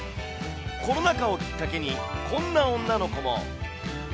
コロナ禍をきっかけに、こんな女の子も。